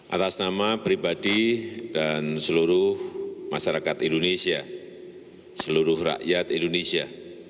atas nama pribadi dan seluruh masyarakat indonesia seluruh rakyat indonesia